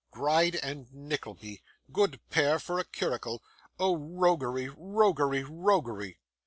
Gride and Nickleby! Good pair for a curricle. Oh roguery! roguery! roguery!